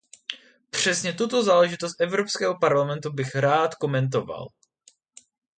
Přesně tuto záležitost Evropského parlamentu bych rád komentoval.